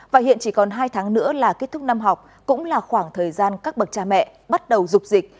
và hiện chỉ còn hai tháng nữa là kết thúc năm học cũng là khoảng thời gian các bậc cha mẹ bắt đầu dục dịch